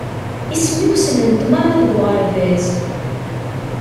Isem-iw ssnen-t merra deg uɣerbaz.